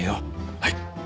はい。